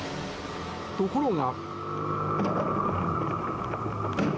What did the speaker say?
ところが。